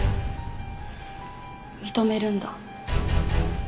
認めるんだ。